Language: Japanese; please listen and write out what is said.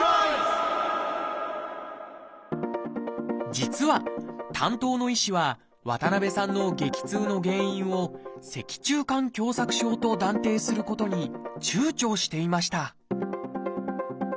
実は担当の医師は渡さんの激痛の原因を「脊柱管狭窄症」と断定することに躊躇していました